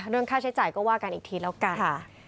เรื่องค่าใช้จ่ายก็ว่ากันอีกทีแล้วกัน